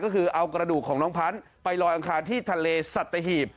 ก็คือเอากระดูกของน้องพันธุ์ไปลอยอังคารที่ทะเลสัตหีบ